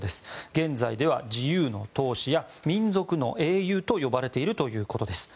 現在では自由の闘士や民族の英雄と呼ばれているということです。